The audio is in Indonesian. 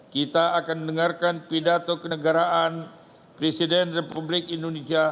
kita akan mendengarkan pidato kenegaraan presiden republik indonesia